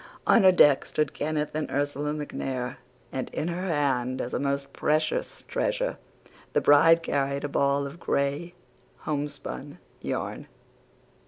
On her deck stood Kenneth and Ursula MacNair, and in her hand, as a most precious treasure, the bride carried a ball of gray homespun yarn."